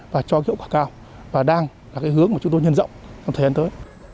và cho hiệu quả cao và đang là cái hướng mà chúng tôi nhân rộng trong thời gian tới